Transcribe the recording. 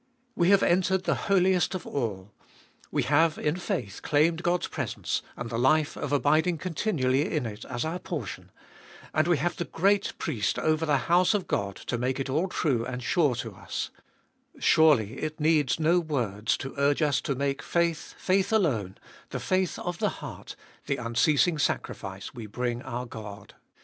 We have entered the Holiest of All, we have in faith claimed God's presence, and the life of abiding continually in it as our portion, and we have the great Priest over the house of God to make it all true and sure to us ; surely it needs no words to urge us to make faith, faith alone, the faith of the heart, the unceasing sacrifice we bring our God.